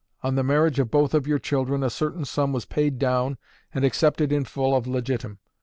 On the marriage of both of your children a certain sum was paid down and accepted in full of legitim.